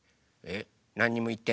えっ？